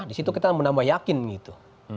di situ kita menambah yakin gitu